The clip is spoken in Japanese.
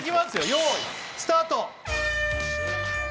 用意スタート。